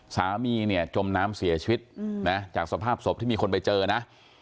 สามีเนี่ยจมน้ำเสียชีวิตนะจากสภาพศพที่มีคนไปเจอนะ